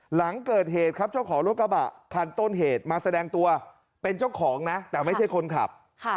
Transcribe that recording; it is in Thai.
หลังเกิดเหตุครับเจ้าของรถกระบะคันต้นเหตุมาแสดงตัวเป็นเจ้าของนะแต่ไม่ใช่คนขับ